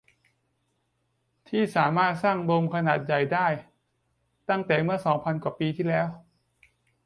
ที่สามารถสร้างโดมขนาดใหญ่ได้ตั้งแต่เมื่อ สอง พันกว่าปีที่แล้ว